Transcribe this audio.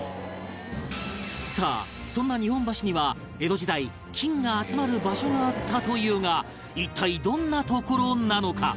さあそんな日本橋には江戸時代金が集まる場所があったというが一体どんな所なのか？